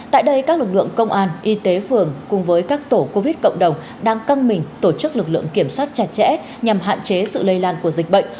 tại đây các lực lượng công an y tế phường cùng với các tổ covid cộng đồng đang căng mình tổ chức lực lượng kiểm soát chặt chẽ nhằm hạn chế sự lây lan của dịch bệnh